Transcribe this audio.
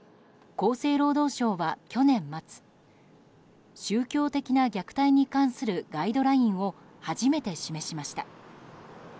厚生労働省は去年末宗教的な虐待に関するガイドラインを初めて示しました。